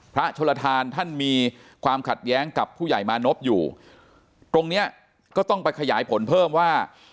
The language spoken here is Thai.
โชลทานท่านมีความขัดแย้งกับผู้ใหญ่มานพอยู่ตรงเนี้ยก็ต้องไปขยายผลเพิ่มว่า